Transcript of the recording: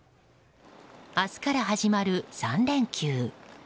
明日から始まる３連休。